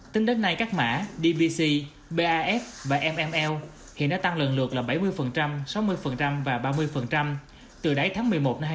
tính đến nay các mã dbc baf và ml hiện đã tăng lần lượt là bảy mươi sáu mươi và ba mươi từ đáy tháng một mươi một năm hai nghìn hai mươi